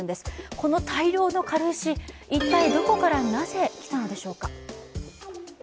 この大量の軽石、一体、どこからなぜ来たのでしょうか。